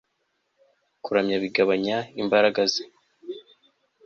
kuramya bigabanya imbaraga ze